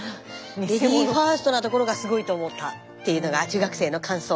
レディーファーストなところがすごいと思ったっていうのが中学生の感想。